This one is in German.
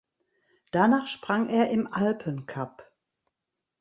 Danach sprang er im Alpen Cup.